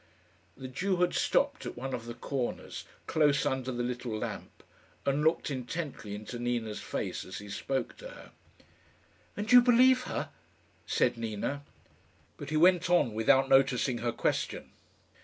The Jew had stopped at one of the corners, close under the little lamp, and looked intently into Nina's face as he spoke to her. "And you believe her?" said Nina. But he went on without noticing her question.